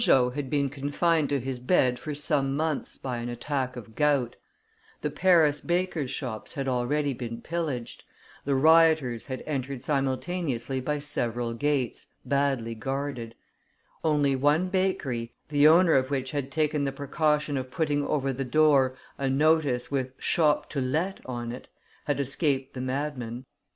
Turgot had been confined to his bed for some months by an attack of gout; the Paris bakers' shops had already been pillaged; the rioters had entered simultaneously by several gates, badly guarded; only one bakery, the owner of which had taken the precaution of putting over the door a notice with shop to let on it, had escaped the madmen.